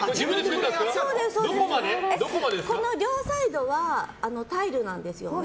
両サイドはタイルなんですよね。